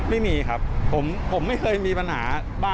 ไม่มีครับผมไม่เคยมีปัญหา